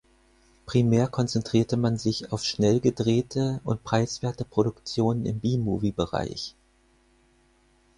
Primär konzentrierte man sich auf schnell gedrehte und preiswerte Produktionen im B-Moviebereich.